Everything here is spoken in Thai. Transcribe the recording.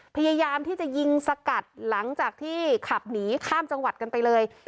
พยายามที่จะยิงสกัดหลังจากที่ขับหนีข้ามจังหวัดกันไปเลย